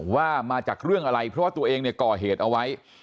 ว่ามาจากเรื่องอะไรเพราะว่าตัวเองเนี่ยก่อเหตุเอาไว้